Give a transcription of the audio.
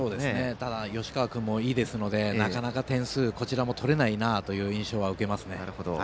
ただ吉川君もいいですのでなかなか点数をこちらも取れないなという印象を受けます。